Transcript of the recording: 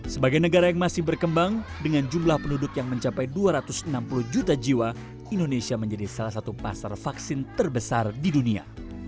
sebagai negara yang masih berkembang dengan jumlah penduduk yang mencapai dua ratus enam puluh juta jiwa indonesia menjadi salah satu pasar vaksin terbesar di dunia